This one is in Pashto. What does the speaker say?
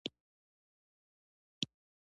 ګوتې یې لمدې کړې.